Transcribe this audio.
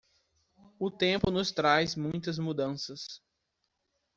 O tempo nos traz muitas mudanças.